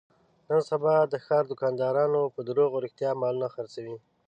نن سبا د ښاردوکانداران په دروغ رښتیا مالونه خرڅوي.